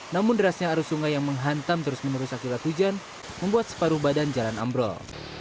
namun derasnya arus sungai yang menghantam terus menerus akibat hujan membuat separuh badan jalan ambrol